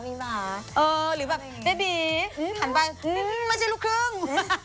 เออหรือแบบเบบีถันไปหื้มไม่ใช่ลูกครึ่ง